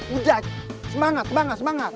udah semangat semangat semangat